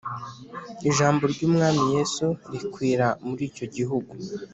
Ijambo ry umwami yesu rikwira muri icyo gihugu